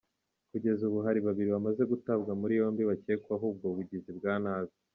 Kugeza ubu hari babiri bamaze gutabwa muri yombi bakekwaho ubwo bugizi bwa nabi.